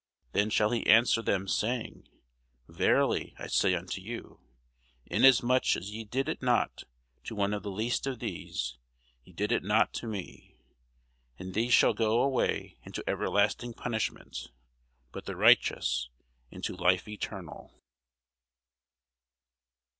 Then shall he answer them, saying, Verily I say unto you, Inasmuch as ye did it not to one of the least of these, ye did it not to me. And these shall go away into everlasting punishment: but the righteous into life eternal.